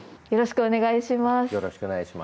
よろしくお願いします。